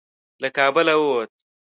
له کابله ووت.